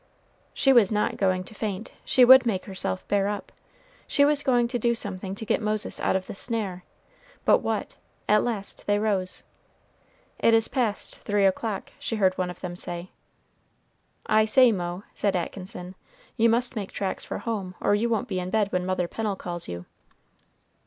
She was not going to faint; she would make herself bear up. She was going to do something to get Moses out of this snare, but what? At last they rose. "It is past three o'clock," she heard one of them say. "I say, Mo," said Atkinson, "you must make tracks for home, or you won't be in bed when Mother Pennel calls you."